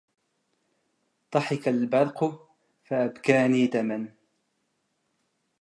ضحك البرق فأبكاني دما